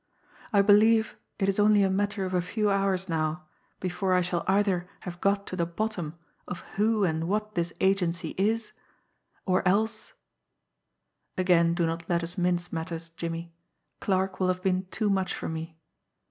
I believe it is only a matter of a few hours now before I shall either have got to the bottom of who and what this agency is, or else again do not let us mince matters, Jimmie 'Clarke' will have been too much for me.